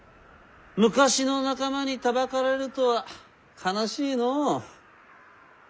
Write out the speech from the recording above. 昔の仲間にたばかられるとは悲しいのう。